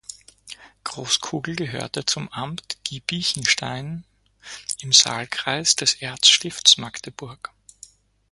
Großkugel gehörte zum Amt Giebichenstein im Saalkreis des Erzstifts Magdeburg.